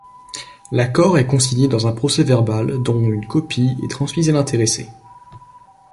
L'accord est consigné dans un procès-verbal dont une copie est transmise à l'intéressé.